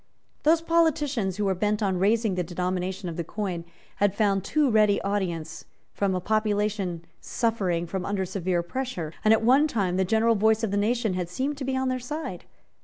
Those politicians who were bent on raising the denomination of the coin had found too ready audience from a population suffering under severe pressure; and, at one time, the general voice of the nation had seemed to be on their side.